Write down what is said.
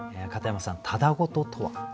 片山さん「ただごと」とは？